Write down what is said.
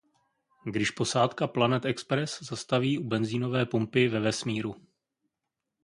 Když posádka Planet Express zastaví u benzínové pumpy ve vesmíru.